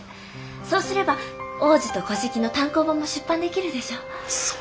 そうすれば「王子と乞食」の単行本も出版できるでしょう。